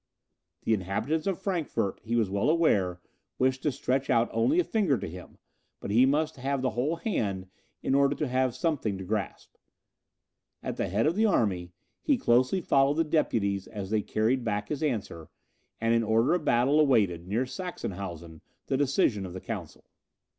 "The inhabitants of Frankfort, he was well aware, wished to stretch out only a finger to him, but he must have the whole hand in order to have something to grasp." At the head of the army, he closely followed the deputies as they carried back his answer, and in order of battle awaited, near Saxenhausen, the decision of the council.